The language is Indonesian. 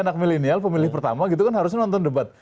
anak milenial pemilih pertama gitu kan harusnya nonton debat